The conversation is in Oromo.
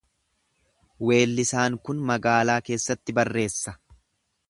Weellisaan kun magaalaa keessatti barreessa.